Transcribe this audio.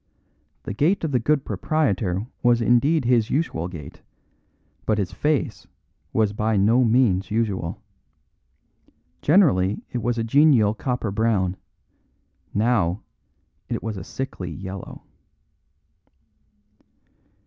The gait of the good proprietor was indeed his usual gait, but his face was by no means usual. Generally it was a genial copper brown; now it was a sickly yellow.